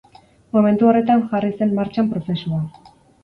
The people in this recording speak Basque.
Momentu horretan jarri zen martxan prozesua.